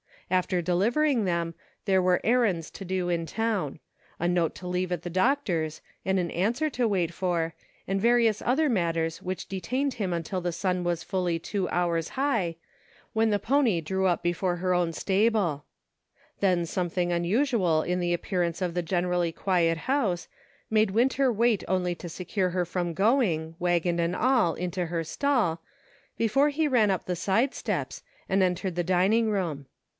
After delivering them, there were errands to do in town ; a note to leave at the doctor's, and an answer to wait for, and various other matters which detained him until the sun was fully two hours high, when the pony drew up before her own stable ; then some thing unusual in the appearance of the generally quiet house made Winter wait only to secure her from going, wagon and all, into her stall, before he ran up the side steps, and entered the dining room.